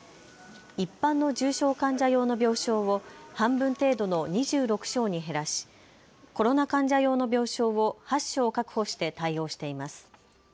一般の重症患者用の病床を半分程度の２６床に減らしコロナ患者用の病床を８床確保して対応しています。